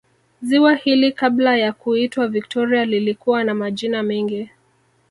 Ziwa hili kabla ya kuitwa Victoria lilikuwa na majina mengi